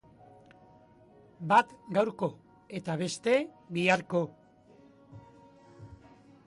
Bat gaurko eta beste biharko.